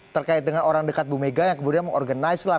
terkait dengan orang dekat bumega yang kemudian mengorganiselah